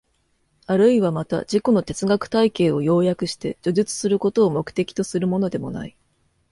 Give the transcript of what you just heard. あるいはまた自己の哲学体系を要約して叙述することを目的とするものでもない。